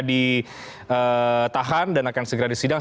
ditahan dan akan segera disidang